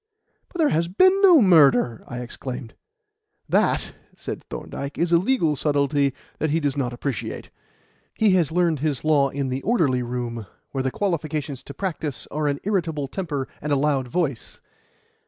"But there has been no murder!" I exclaimed. "That," said Thorndyke, "is a legal subtlety that he does not appreciate. He has learned his law in the orderly room, where the qualifications to practise are an irritable temper and a loud voice.